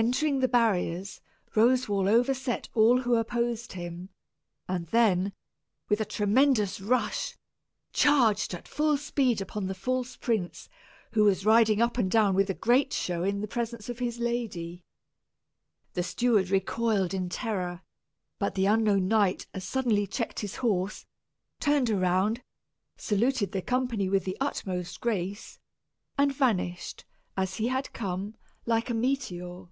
Entering the barriers, Roswal overset all who opposed him, and then, with a tremendous rush, charged at full speed upon the false prince, who was riding up and down with a great show in the presence of his lady. The steward recoiled in terror; but the unknown knight as suddenly checked his horse, turned around, saluted the company with the utmost grace, and vanished, as he had come, like a meteor.